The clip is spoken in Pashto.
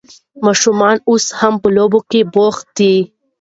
ماشومان اوس هم په لوبو کې بوخت دي.